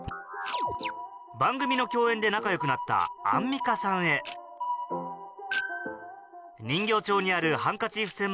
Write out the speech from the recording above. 番組の共演で仲良くなったアンミカさんへ人形町にあるハンカチーフ